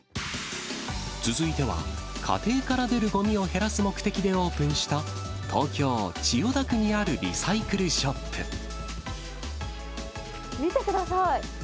続いては、家庭から出るごみを減らす目的でオープンした、東京・千代田区に見てください。